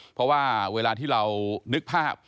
เพราะว่าเวลาที่เรานึกภาพ